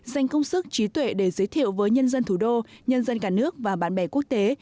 dành công sức trí tuệ để giới thiệu với nhân dân thủ đô nhân dân cả nước và bạn bè của hà nội